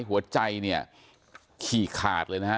หัวใจเนี่ยฉี่ขาดเลยนะฮะ